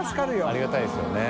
ありがたいですよね。